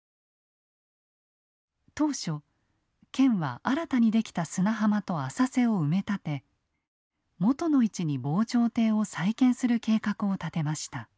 当初県は新たに出来た砂浜と浅瀬を埋め立て元の位置に防潮堤を再建する計画を立てました。